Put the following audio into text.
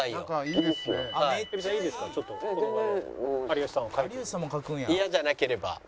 嫌じゃなければ。